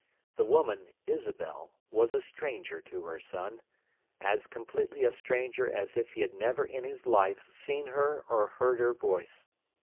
The woman, Isabel, was a stranger to her son; as completely a stranger as if he had never in his life seen her or heard her voice.